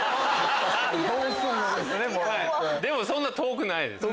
でもそんな遠くないです。